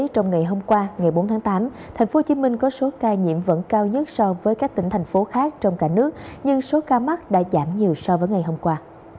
trong ngày hôm qua ngày bốn tháng tám thành phố hồ chí minh có số ca nhiễm vẫn cao nhất so với các tỉnh thành phố khác trong cả nước nhưng số ca mắc đã giảm nhiều so với ngày hôm qua